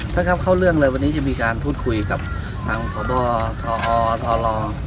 ท่านครับเข้าเรื่องเลยวันนี้จะมีการพูดคุยกับทางพบทอทรอ